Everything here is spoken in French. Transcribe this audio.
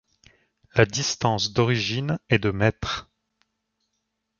La distance d'origine est de mètres.